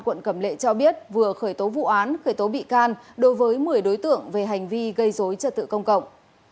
quận cẩm lệ cho biết vừa khởi tố vụ án khởi tố bị can đối với một mươi đối tượng về hành vi gây dối trật tự công cộng